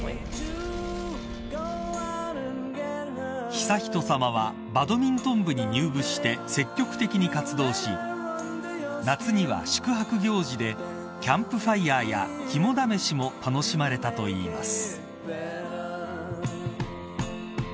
［悠仁さまはバドミントン部に入部して積極的に活動し夏には宿泊行事でキャンプファイアや肝試しも楽しまれたといいます］